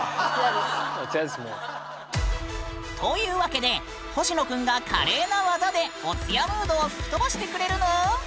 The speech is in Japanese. うそ！というわけでほしのくんが華麗な技でお通夜ムードを吹き飛ばしてくれるぬん！